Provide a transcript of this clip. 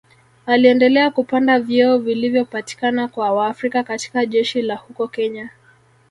Aliendelea kupanda vyeo vilivyopatikana kwa Waafrika katika jeshi la huko Kenya